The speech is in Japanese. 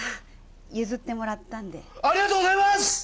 譲ってもらったんでありがとうございます！